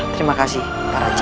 terima kasih pak raja